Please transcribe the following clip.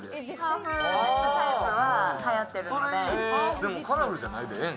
でもカラフルじゃないよ。